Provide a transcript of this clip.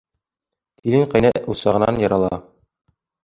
Килен ҡәйнә усағынан ярала.